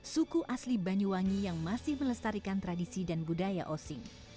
suku asli banyuwangi yang masih melestarikan tradisi dan budaya osing